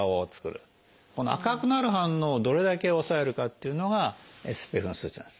この赤くなる反応をどれだけ抑えるかっていうのがＳＰＦの数値なんです。